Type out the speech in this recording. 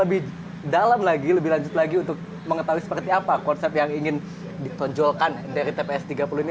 lebih dalam lagi lebih lanjut lagi untuk mengetahui seperti apa konsep yang ingin ditonjolkan dari tps tiga puluh ini